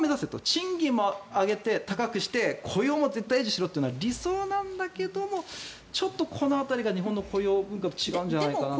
賃金も高くして雇用も絶対維持しろというのは理想なんだけどちょっとこの辺りが日本の雇用文化と違うんじゃないかなって。